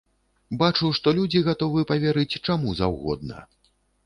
Бачу, што людзі гатовы паверыць чаму заўгодна.